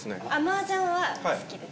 マージャンは好きです